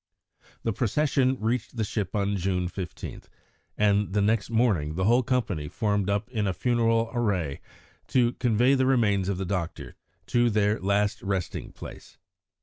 The procession reached the ship on June 15, and the next morning the whole company formed up in funeral array to convey the remains of the doctor to their last resting place.